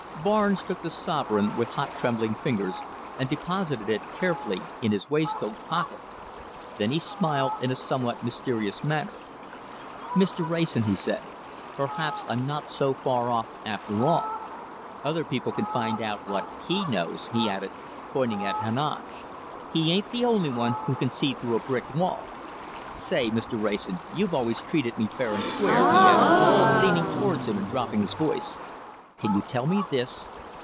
Barnes took the sovereign with hot, trembling fingers, and deposited it carefully in his waistcoat pocket. Then he smiled in a somewhat mysterious manner. "Mr. Wrayson," he said, "perhaps I'm not so far off, after all. Other people can find out what he knows," he added, pointing at Heneage. "He ain't the only one who can see through a brick wall. Say, Mr. Wrayson, you've always treated me fair and square," he added, leaning towards him and dropping his voice. "Can you tell me this?